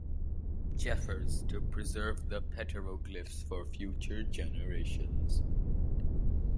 Jeffers to preserve the petroglyphs for future generations.